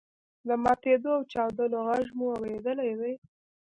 د ماتیدو او چاودلو غږ مو اوریدلی دی.